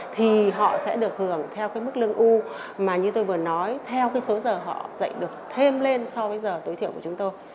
thì họ sẽ được hưởng theo cái mức lương hưu mà như tôi vừa nói theo cái số giờ họ dạy được thêm lên so với giờ tối thiểu của chúng tôi